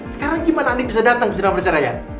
sekarang gimana andin bisa datang ke sidang perceraian